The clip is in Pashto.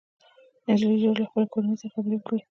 نجلۍ ژر له خپلې کورنۍ سره خبرې وکړې